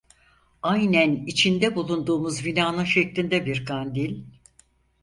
Aynen içinde bulunduğumuz binanın şeklinde bir kandil…